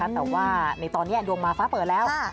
แต่ว่าในตอนนี้ดวงมาฟ้าเปิดแล้ว